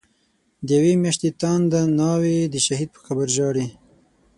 دیوی میاشتی تانده ناوی، د شهید په قبر ژاړی